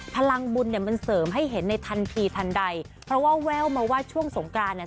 พลังบุญเนี่ยมันเสริมให้เห็นในทันทีทันใดเพราะว่าแววมาว่าช่วงสงกรานเนี่ย